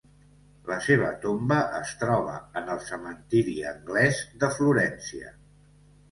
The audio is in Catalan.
La seva tomba es troba en el cementiri anglès de Florència.